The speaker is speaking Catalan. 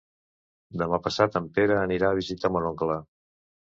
Demà passat en Pere anirà a visitar mon oncle.